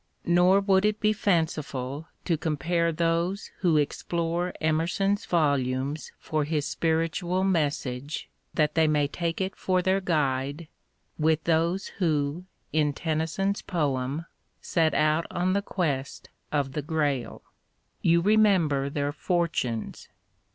Nor woijld it be fanciful to compare those who explore Emerson's volumes for his spiritual message, that they may take it for their guide, with those who, in Tennyson's poem, set out on the quest of the Grail. You remember their fortunes.